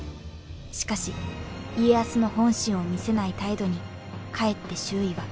しかし家康の本心を見せない態度にかえって周囲は不安を募らせます。